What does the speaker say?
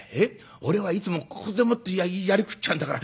俺はいつもここでもって割食っちゃうんだから。